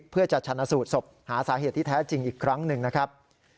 เพื่อจะชนะสูตรศพหาสาเหตุที่แท้จริงอีกครั้งหนึ่งนะครับ